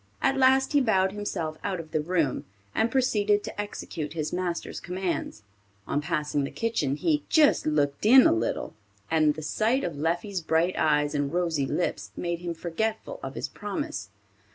At last he bowed himself out of the room, and proceeded to execute his master's commands. On passing the kitchen, he "just looked in a little," and the sight of Leffie's bright eyes and rosy lips made him forgetful of his promise.